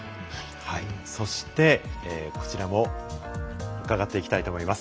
そして、こちらもうかがっていきたいと思います。